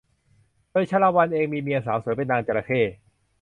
โดยชาละวันเองมีเมียสาวสวยเป็นนางจระเข้